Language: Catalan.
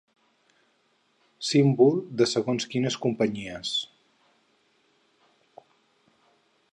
Símbol de segons quines companyies.